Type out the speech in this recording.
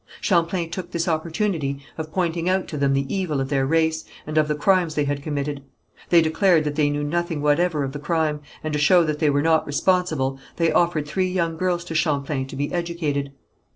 Champlain took this opportunity of pointing out to them the evil of their race, and of the crimes they had committed. They declared that they knew nothing whatever of the crime, and to show that they were not responsible they offered three young girls to Champlain to be educated.